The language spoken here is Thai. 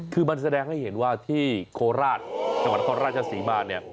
คือมันแสดงให้เห็นว่าที่โคราชจังหวัดท่อนราชศรีบ้าน